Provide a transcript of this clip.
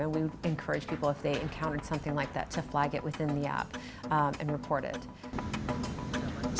kami memberi keuangan kepada orang orang jika mereka menemukan sesuatu seperti itu untuk menandainya di dalam aplikasi dan menerimanya